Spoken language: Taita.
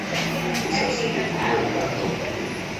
Risasi eturua ilanga ukutenyi.